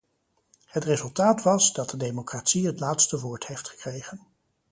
Het resultaat was, dat de democratie het laatste woord heeft gekregen.